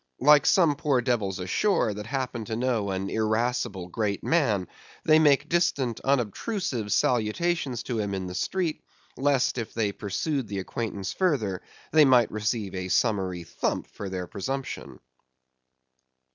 Like some poor devils ashore that happen to know an irascible great man, they make distant unobtrusive salutations to him in the street, lest if they pursued the acquaintance further, they might receive a summary thump for their presumption.